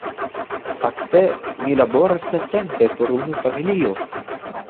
Fakte, mi laboras plentempe por unu familio.